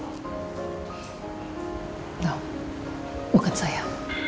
tidak bukan saya